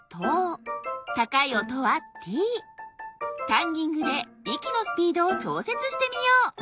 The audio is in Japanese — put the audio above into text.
タンギングでいきのスピードをちょうせつしてみよう。